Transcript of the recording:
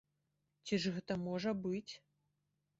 Ці ж гэта можа быць?